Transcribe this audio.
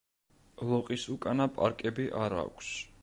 ლოყისუკანა პარკები არ აქვს.